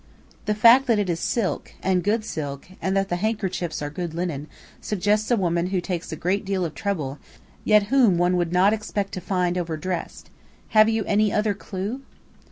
The fact that it is silk, and good silk, and that the handkerchiefs are good linen, suggests a woman who takes a great deal of trouble, yet whom one would not expect to find over dressed. Have you any other clue?"